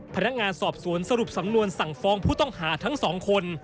พนักงานสอบสวนสรุปสำนวนสั่งฟ้องผู้ต้องหาทั้งสองคน